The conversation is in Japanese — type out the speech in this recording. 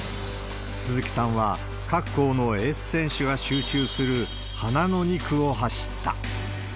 鈴木さんは各校のエース選手が集中する、花の２区を走った。